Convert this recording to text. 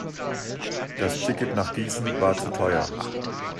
Das Ticket nach Gießen war zu teuer